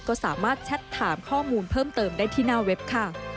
ก็สามารถแชทถามข้อมูลเพิ่มเติมได้ที่หน้าเว็บค่ะ